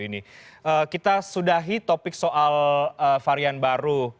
ini kita sudahi topik soal varian baru